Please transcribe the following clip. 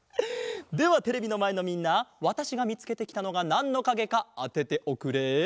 ではテレビのまえのみんなわたしがみつけてきたのがなんのかげかあてておくれ。